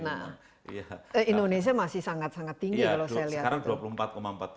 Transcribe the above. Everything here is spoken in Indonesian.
nah indonesia masih sangat sangat tinggi kalau saya lihat